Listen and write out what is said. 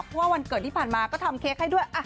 เพราะว่าวันเกิดที่ผ่านมาก็ทำเค้กให้ด้วย